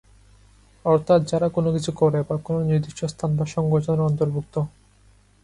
অর্থাৎ যারা কোনো কিছু করে বা কোনো নির্দিষ্ট স্থান বা সংগঠনের অন্তর্ভুক্ত।